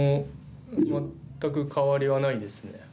全く変わりはないですね。